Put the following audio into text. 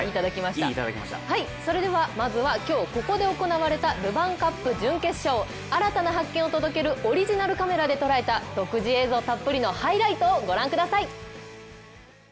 まずは今日ここで行われたルヴァンカップ準決勝、新たな発見を届けるオリジナルカメラで捉えた独自映像たっぷりのハイライトをご覧ください。